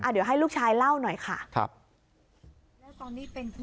เดี๋ยวให้ลูกชายเล่าหน่อยค่ะครับแล้วตอนนี้เป็น